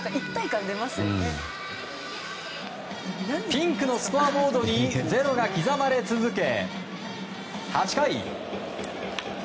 ピンクのスコアボードに０が刻まれ続け、８回。